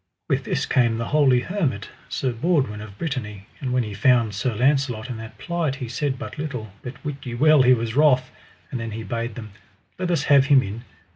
With this came the holy hermit, Sir Baudwin of Brittany, and when he found Sir Launcelot in that plight he said but little, but wit ye well he was wroth; and then he bade them: Let us have him in.